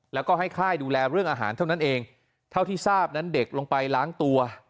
แล้วก็ให้ค่ายดูแลเรื่องอาหารเท่านั้นเองเท่าที่ทราบนั้นเด็กลงไปล้างตัว